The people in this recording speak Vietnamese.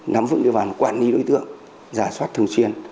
nắm vững như quản lý đối tượng giả soát thường xuyên